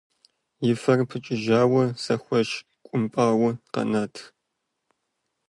И фэр пыкӏыжауэ, зэхэушкӏумпӏауэ къэнат.